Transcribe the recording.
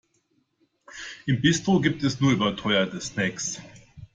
Im Bistro gibt es nur überteuerte Snacks.